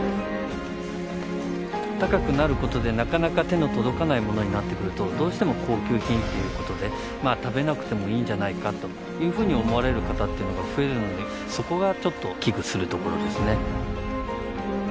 高くなることでなかなか手の届かないものになってくるとどうしても高級品っていうことで「食べなくてもいいんじゃないか」というふうに思われる方っていうのが増えるのでそこがちょっと危惧するところですね。